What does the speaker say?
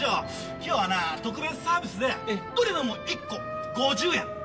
今日はな特別サービスでどれでも１個５０円。